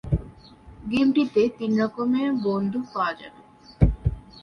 গেমটিতে তিন রকম বন্দুক পাওয়া় যাবে।